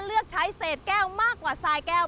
เลือกใช้เศษแก้วมากกว่าสายแก้ว